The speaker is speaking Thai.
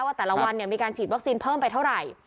ว่าแต่ละวันมีการฉีดวัคซีนเพิ่มไปเท่าไหร่